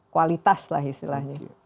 kualitas lah istilahnya